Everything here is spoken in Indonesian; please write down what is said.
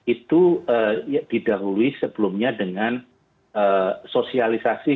itu didahului sebelumnya dengan sosialisasi